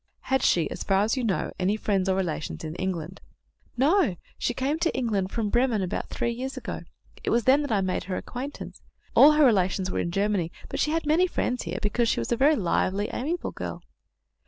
"Had she, as far as you know, any friends or relations in England?" "No. She came to England from Bremen about three years ago. It was then that I made her acquaintance. All her relations were in Germany, but she had many friends here, because she was a very lively, amiable girl."